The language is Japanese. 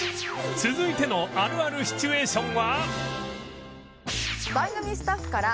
続いてのあるあるシチュエーションは？